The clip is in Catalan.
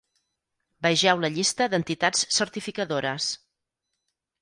Vegeu la llista d'entitats certificadores.